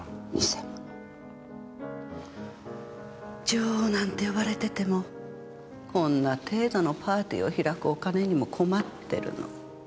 女王なんて呼ばれててもこんな程度のパーティーを開くお金にも困ってるの。